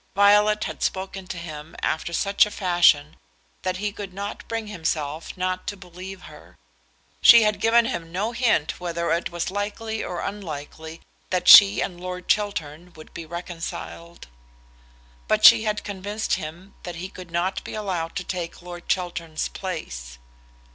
Violet had spoken to him after such a fashion that he could not bring himself not to believe her. She had given him no hint whether it was likely or unlikely that she and Lord Chiltern would be reconciled; but she had convinced him that he could not be allowed to take Lord Chiltern's place.